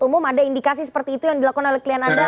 umum ada indikasi seperti itu yang dilakukan oleh klien anda